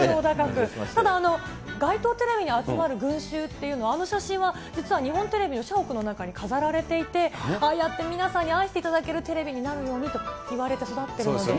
ただ、街頭テレビに集まる群集っていうのは、あの写真は実は日本テレビの社屋の中に飾られていて、ああやって皆さんに愛していただけるテレビになるようにと言われて育っているので。